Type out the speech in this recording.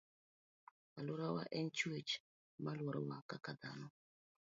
Aluorawa en chuech moluorowa kaka dhano